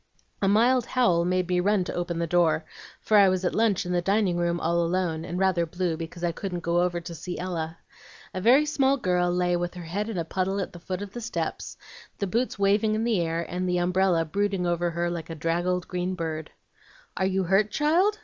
A mild howl made me run to open the door, for I was at lunch in the dining room, all alone, and rather blue because I couldn't go over to see Ella. A very small girl lay with her head in a puddle at the foot of the steps, the boots waving in the air, and the umbrella brooding over her like a draggled green bird. "'Are you hurt, child?'